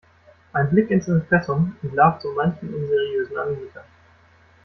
Ein Blick ins Impressum entlarvt so manchen unseriösen Anbieter.